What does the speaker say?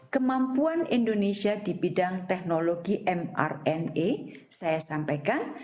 kemampuan indonesia di bidang teknologi mrna saya sampaikan